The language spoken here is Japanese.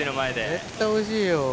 絶対おいしいよ。